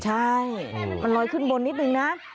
ใช่มันลอยขึ้นบนนิดนึงนะ